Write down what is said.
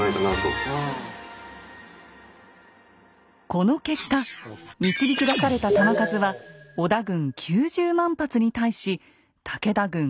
この結果導き出された弾数は織田軍９０万発に対し武田軍５万発。